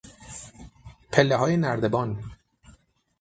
پلههای نردبان